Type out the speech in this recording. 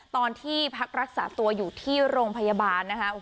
ตอนที่พักรักษาตัวอยู่ที่โรงพยาบาลนะคะ